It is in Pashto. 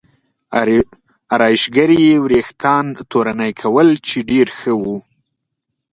ارایشګرې یې وریښتان تورنۍ کول چې ډېر ښه و.